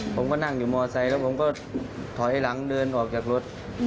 ผมก็นั่งอยู่มอไซค์แล้วผมก็ถอยหลังเดินออกจากรถ